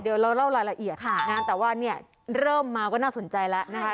เดี๋ยวเราเล่ารายละเอียดแต่ว่าเนี่ยเริ่มมาก็น่าสนใจแล้วนะคะ